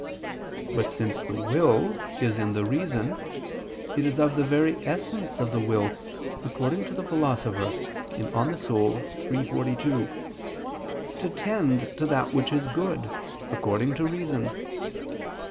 But since the will is in the reason, it is of the very essence of the will, according to the Philosopher (De Anima iii, text. 42), to tend to that which is good, according to reason.